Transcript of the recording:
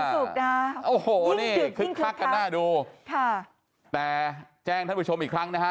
สุขนะโอ้โหนี่คึกคักกันน่าดูค่ะแต่แจ้งท่านผู้ชมอีกครั้งนะฮะ